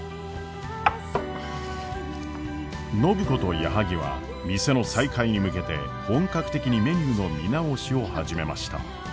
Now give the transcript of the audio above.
暢子と矢作は店の再開に向けて本格的にメニューの見直しを始めました。